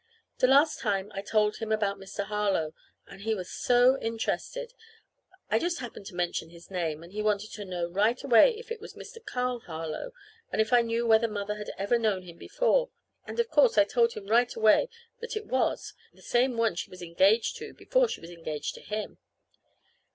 The last time I told him all about Mr. Harlow, and he was so interested! I just happened to mention his name, and he wanted to know right away if it was Mr. Carl Harlow, and if I knew whether Mother had ever known him before. And of course I told him right away that it was the same one she was engaged to before she was engaged to him.